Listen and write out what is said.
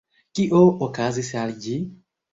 Kio okazis al ĝi?